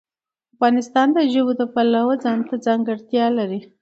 افغانستان د ژبو د پلوه ځانته ځانګړتیا لري.